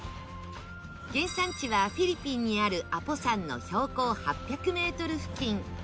原産地はフィリピンにあるアポ山の標高８００メートル付近。